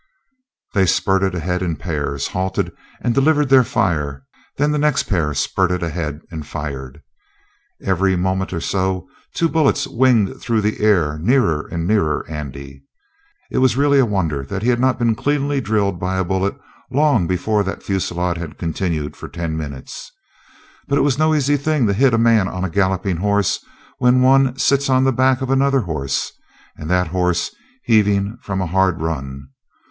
They spurted ahead in pairs, halted, and delivered their fire; then the next pair spurted ahead and fired. Every moment or so two bullets winged through the air nearer and nearer Andy. It was really a wonder that he was not cleanly drilled by a bullet long before that fusillade had continued for ten minutes. But it is no easy thing to hit a man on a galloping horse when one sits on the back of another horse, and that horse heaving from a hard run.